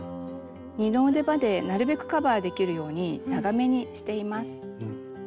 二の腕までなるべくカバーできるように長めにしています。